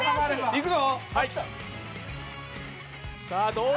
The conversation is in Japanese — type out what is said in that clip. いくぞ。